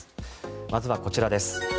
まずはこちらです。